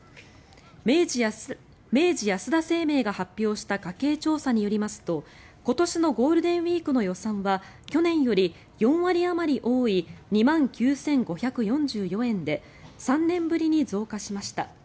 明治安田生命が発表した家計調査によりますと今年のゴールデンウィークの予算は去年より４割あまり多い２万９５４４円で３年ぶりに増加しました。